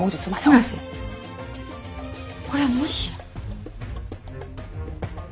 村瀬これはもしや。